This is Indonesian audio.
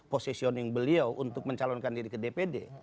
positioning beliau untuk mencalonkan diri ke dpd